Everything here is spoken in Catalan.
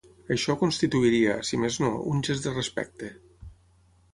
Això constituiria, si més no, un gest de respecte.